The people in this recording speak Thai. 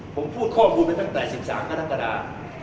ผมพูดข้อมูลไปตั้งแต่๑๓กรกฎา